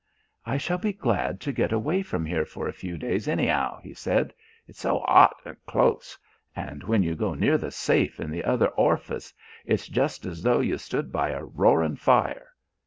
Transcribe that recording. "I shall be glad to get away from here for a few days, any'ow," he said; "it's so 'ot and close, and when you go near the safe in the other horfice it's just as though you stood by a roaring fire.